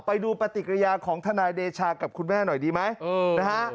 ไปดูปฏิกิริยาของทนายเดชากับคุณแม่หน่อยดีไหมนะฮะ